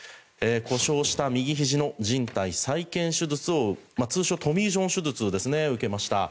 故障した右ひじのじん帯再建手術を通称、トミー・ジョン手術を受けました。